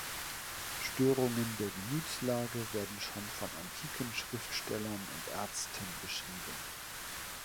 Störungen der Gemütslage werden schon von antiken Schriftstellern und Ärzten beschrieben.